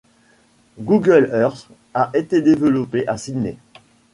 Google Earth a été développé à Sydney.